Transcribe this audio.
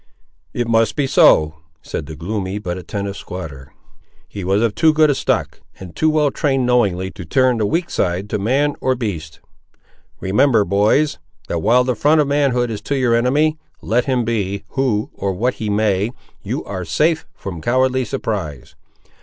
"It must be so," said the gloomy but attentive squatter. "He was of too good a stock and too well trained, knowingly to turn the weak side to man or beast! Remember, boys, that while the front of manhood is to your enemy, let him be who or what he may, you ar' safe from cowardly surprise.